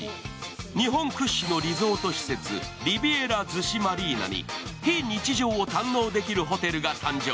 日本屈指のリゾート施設・リビエラ逗子マリーナに非日常を堪能できるホテルが誕生。